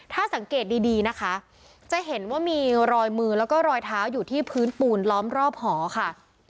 ถ้าสังเกตดีนะคะจะเห็นว่ามีรอยมือแล้วก็รอยเท้าอยู่ที่พื้นปูนล้อมรอบหอค่ะ